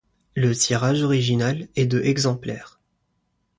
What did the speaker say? Le tirage original est de exemplaires.